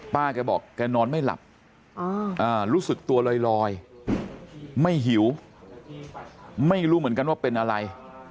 แกบอกแกนอนไม่หลับรู้สึกตัวลอยไม่หิวไม่รู้เหมือนกันว่าเป็นอะไร